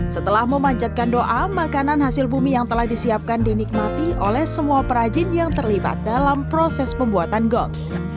setelah memanjatkan doa makanan hasil bumi yang telah disiapkan dinikmati oleh semua perajin yang terlibat dalam proses pembuatan gol